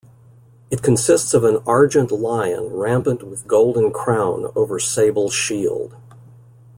It consists of an argent lion rampant with golden crown over sable shield.